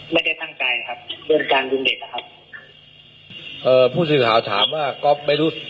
ไม่ได้ทั่งใจครับเรื่องการยุ่งเด็กนะครับเอ่อผู้สื่อถามถามว่าก็ไม่รู้